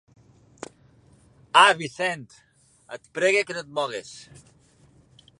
Ah, Vicent! Et pregue que no et mogues.